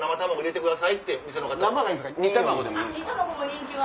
煮卵も人気は。